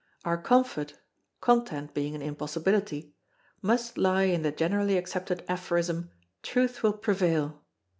Our comfort content being an impossibility must lie in the generally accepted aphorism; "Truth will prevail."